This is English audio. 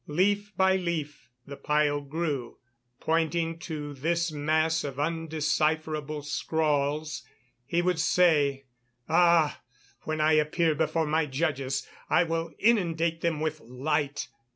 Leaf by leaf the pile grew; pointing to this mass of undecipherable scrawls, he would say: "Ah! when I appear before my judges, I will inundate them with light."